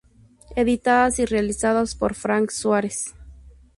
Editadas y Realizadas por Fran Suárez.